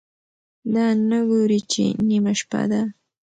دا نه ګوري چې نیمه شپه ده،